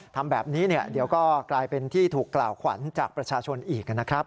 ทำแบบนี้เดี๋ยวก็กลายเป็นที่ถูกกล่าวขวัญจากประชาชนอีกนะครับ